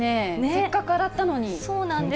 せっかく洗ったのに。